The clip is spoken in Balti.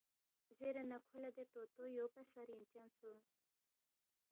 زیرے نہ کھو لہ دے طوطو یوپا سہ رِنگچن سونگس